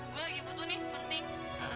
gue lagi butuh nih penting